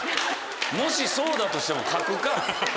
もしそうだとしても書くか。